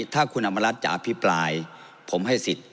ถ้าคุณอำมารัฐจะอภิปรายผมให้สิทธิ์